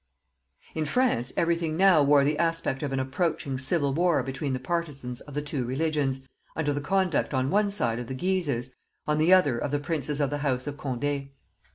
In France every thing now wore the aspect of an approaching civil war between the partisans of the two religions, under the conduct on one side of the Guises, on the other of the princes of the house of Condé.